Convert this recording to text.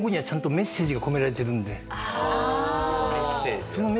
メッセージが。